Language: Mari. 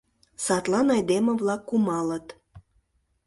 – Садлан айдеме-влак кумалыт.